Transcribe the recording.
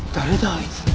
あいつ。